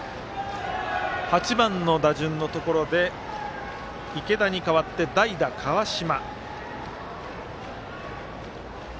８番の打順のところで池田に代わって代打、川島。